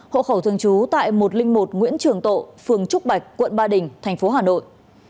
hộ khẩu thương chú tại một trăm linh một nguyễn trường tộ phường trúc bạch quận ba đình tp hà nội